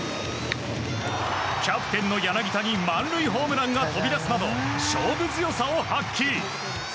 キャプテンの柳田に満塁ホームランが飛び出すなど勝負強さを発揮。